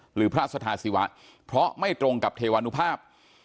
หรือพระสถาศิวะเพราะไม่ตรงกับเทวานุภาพ